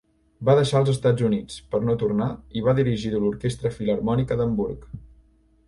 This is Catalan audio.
Va deixar els Estats Units, per no tornar, i va dirigir l'Orquestra Filharmònica d'Hamburg.